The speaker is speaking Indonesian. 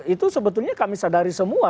itu sebetulnya kami sadari semua